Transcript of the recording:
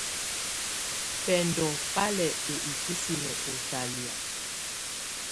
Bɛndɔ́ bá lɛ ɔ ikisinǝ́ ɔ ɔtalɛ̀á.